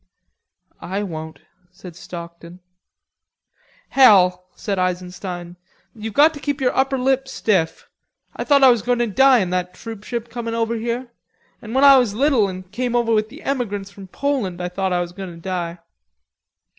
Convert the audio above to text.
"I won't" said Stockton. "Hell," said Eisenstein. "You've got to keep your upper lip stiff. I thought I was goin' to die in that troopship coming over here. An' when I was little an' came over with the emigrants from Poland, I thought I was goin' to die.